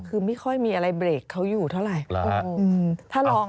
คือไม่ค่อยมีอะไรเบรกเขาอยู่เท่าไหร่